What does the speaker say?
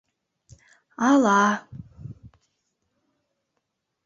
— А-ала?